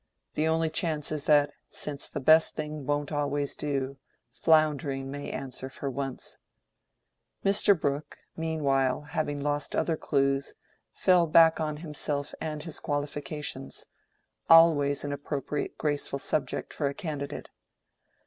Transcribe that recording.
The only chance is that, since the best thing won't always do, floundering may answer for once." Mr. Brooke, meanwhile, having lost other clews, fell back on himself and his qualifications—always an appropriate graceful subject for a candidate.